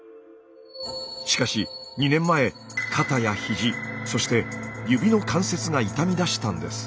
しかし２年前肩やひじそして指の関節が痛みだしたんです。